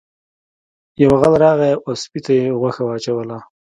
یو غل راغی او سپي ته یې غوښه واچوله.